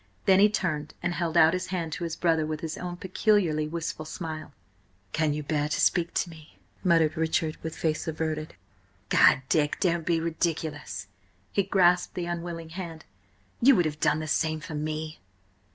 Then he turned and held out his hand to his brother with his own peculiarly wistful smile. "Can you bear to speak to me?" muttered Richard, with face averted. "Gad, Dick, don't be ridiculous!" He grasped the unwilling hand. "You would have done the same for me!"